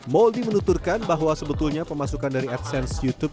mouldie menuturkan bahwa sebetulnya pemasukan dari adsense youtube